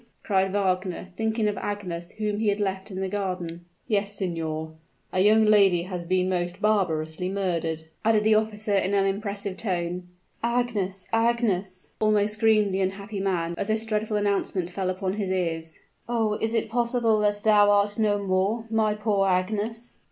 cried Wagner, thinking of Agnes, whom he had left in the garden. "Yes, signor, a young lady has been most barbarously murdered!" added the officer in an impressive tone. "Agnes! Agnes!" almost screamed the unhappy man, as this dreadful announcement fell upon his ears. "Oh! is it possible that thou art no more, my poor Agnes!"